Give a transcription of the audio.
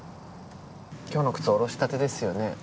今日の靴、おろしたてですよね。